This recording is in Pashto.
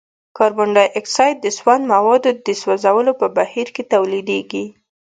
کاربن ډای اکسايډ د سون موادو د سوځولو په بهیر کې تولیدیږي.